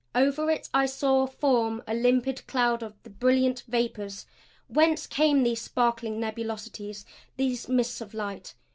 Over it I saw form a limpid cloud of the brilliant vapors. Whence came these sparkling nebulosities, these mists of light?